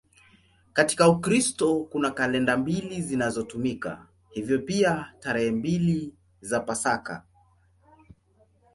Katika Ukristo kuna kalenda mbili zinazotumika, hivyo pia tarehe mbili za Pasaka.